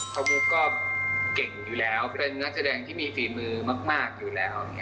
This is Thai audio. เขามุกก็เก่งอยู่แล้วเป็นนักแสดงที่มีฝีมือมากอยู่แล้ว